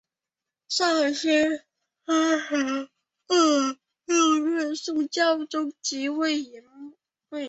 绍兴三十二年六月宋孝宗即位沿用。